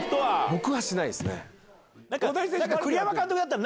僕はしないですね。